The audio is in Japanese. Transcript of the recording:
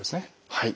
はい。